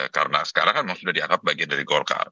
karena sekarang kan memang sudah dianggap bagian dari golkar